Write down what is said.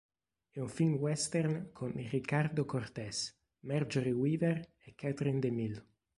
È un film western con Ricardo Cortez, Marjorie Weaver e Katherine DeMille.